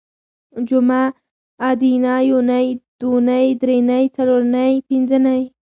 جومه ادینه یونۍ دونۍ درېنۍ څلورنۍ پنځنۍ